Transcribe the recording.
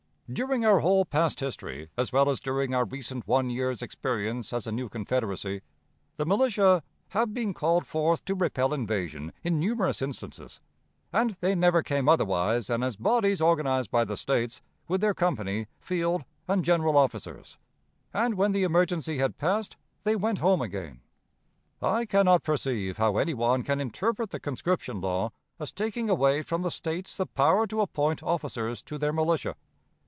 During our whole past history, as well as during our recent one year's experience as a new Confederacy, the militia 'have been called forth to repel invasion' in numerous instances, and they never came otherwise than as bodies organized by the States with their company, field, and general officers; and, when the emergency had passed, they went home again. I can not perceive how any one can interpret the conscription law as taking away from the States the power to appoint officers to their militia.